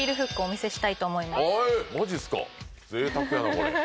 ぜいたくやなこれ。